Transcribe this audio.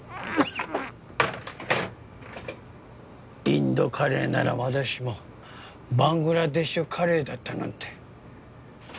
インドカレーならまだしもバングラデシュカレーだったなんて。